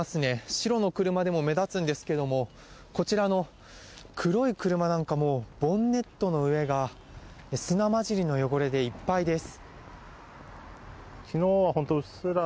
白の車でも目立つんですがこちらの黒い車なんかもボンネットの上が砂交じりの汚れでいっぱいです。